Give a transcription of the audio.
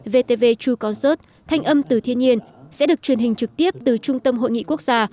vtv true concert thanh âm từ thiên nhiên sẽ được truyền hình trực tiếp từ trung tâm hội nghị quốc gia